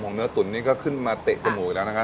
ของเนื้อตุ๋นนี่ก็ขึ้นมาเตะกับหมูอีกแล้วนะคะ